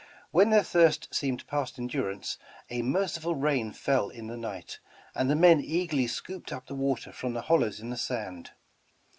When their thirst seemed past endurance, a merciful rain fell in the night, and the men eagerly scooped up the water from the hollows in the sand.